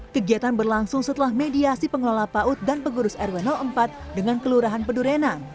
kegiatan berlangsung setelah mediasi pengelola paut dan pengurus rw empat dengan kelurahan pedurenan